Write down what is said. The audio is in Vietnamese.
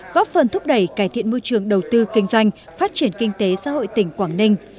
góp phần thúc đẩy cải thiện môi trường đầu tư kinh doanh phát triển kinh tế xã hội tỉnh quảng ninh